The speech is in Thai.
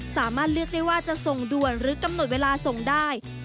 สามารถเลือกได้ว่าจะส่งด่วนหรือกำหนดเวลาส่งได้